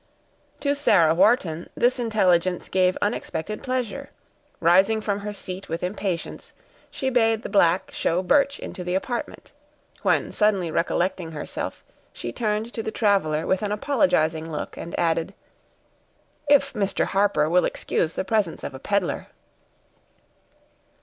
To Sarah Wharton, this intelligence gave unexpected pleasure; rising from her seat with impatience, she bade the black show Birch into the apartment; when, suddenly recollecting herself, she turned to the traveler with an apologizing look, and added, "If Mr. Harper will excuse the presence of a peddler."